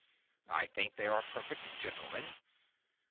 I think they are perfect gentlemen.